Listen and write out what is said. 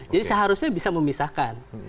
jadi seharusnya bisa memisahkan